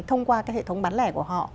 thông qua cái hệ thống bán lẻ của họ